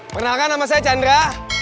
perkenalkan nama saya chandra